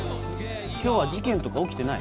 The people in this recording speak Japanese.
きょうは事件とか起きてない？